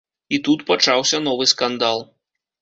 І тут пачаўся новы скандал.